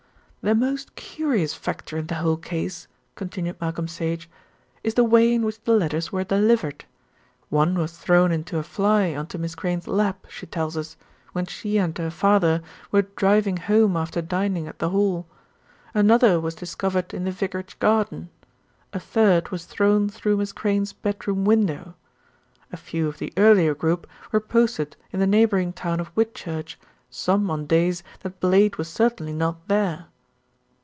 "The most curious factor in the whole case," continued Malcolm Sage, "is the way in which the letters were delivered. One was thrown into a fly on to Miss Crayne's lap, she tells us, when she and her father were driving home after dining at the Hall. Another was discovered in the vicarage garden. A third was thrown through Miss Crayne's bedroom window. A few of the earlier group were posted in the neighbouring town of Whitchurch, some on days that Blade was certainly not there."